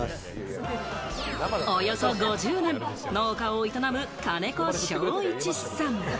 およそ５０年、農家を営む、金子祥一さん。